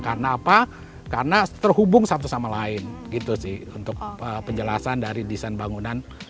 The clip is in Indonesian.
karena apa karena terhubung satu sama lain gitu sih untuk penjelasan dari desain bangunan